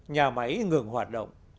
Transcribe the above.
nhà máy ngừng hoạt động